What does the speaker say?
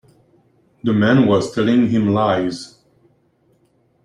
The man was telling him lies.